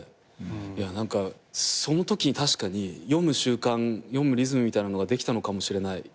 いや何かそのときに確かに読む習慣読むリズムみたいなのができたのかもしれない。